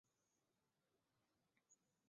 林猪殃殃为茜草科拉拉藤属下的一个种。